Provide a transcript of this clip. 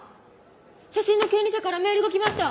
写真の権利者からメールが来ました！